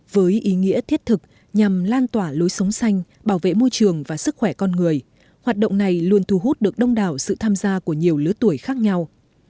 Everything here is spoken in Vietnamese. với ý nghĩa thiết thực nhằm lan tỏa lối sống xanh bảo vệ môi trường và sức khỏe con người hoạt động này luôn thu hút được đông đảo sự tham gia của nhiều lứa tuổi khác nhau